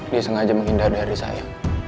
dia sengaja menghindar dari saya